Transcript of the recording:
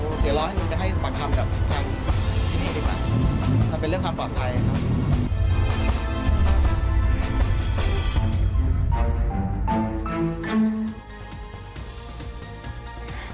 เราเดี๋ยวรอให้มึงไปให้ปรับความแบบที่นี่ดีกว่าถ้าเป็นเรื่องความปรับใครครับ